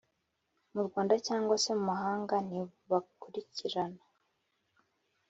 mu Rwanda cyangwa se mu mahanga ntibakurikirana